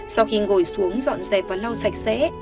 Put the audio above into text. sau khi ngồi xuống dọn dẹp và lau sạch sẽ